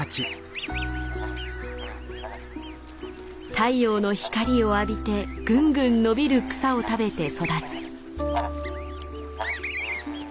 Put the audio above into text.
太陽の光を浴びてぐんぐん伸びる草を食べて育つ。